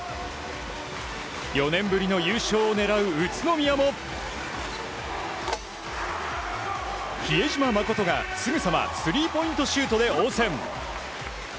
４年ぶりの優勝を狙う宇都宮も比江島慎が、すぐさまスリーポイントシュートで応戦。